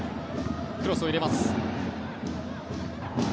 クロスを入れます。